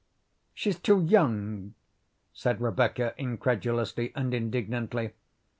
"She's too young," said Rebecca incredulously and indignantly.